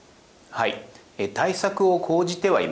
はい。